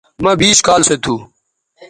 مہ بیش کال سو تھو